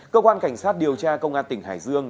cơ quan cảnh sát điều tra công an tỉnh hải dương